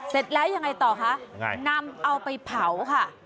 เสร็จแล้วยังไงต่อคะนำเอาไปเผาค่ะ